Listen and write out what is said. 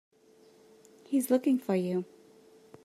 He's looking for you.